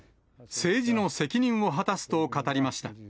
政治の責任を果たすと語りました。